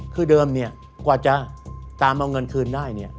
คือเดิมกว่าจะตามเอาเงินคืนได้